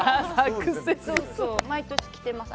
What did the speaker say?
毎年着ています。